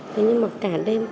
thế nhưng mà cả đêm không hề sốt